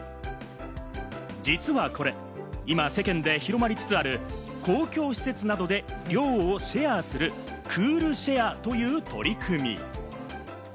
実はこれ、今、世間で広まりつつある公共施設などで涼をシェアするクールシェアという取り組み。